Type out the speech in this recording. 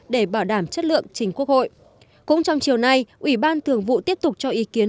để bảo đảm chất lượng chính quốc hội cũng trong chiều nay ủy ban thường vụ tiếp tục cho ý kiến